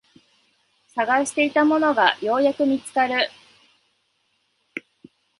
探していたものがようやく見つかる